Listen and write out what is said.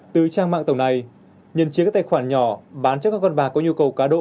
từ trang mạng tổng này nhận chiếc các tài khoản nhỏ bán cho các con bà có nhu cầu cá độ